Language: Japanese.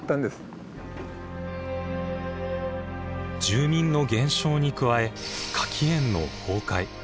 住民の減少に加え柿園の崩壊。